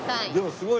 すごい！